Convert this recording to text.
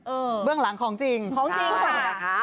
เออเรื่องหลังของจริงของจริงค่ะใช่ค่ะ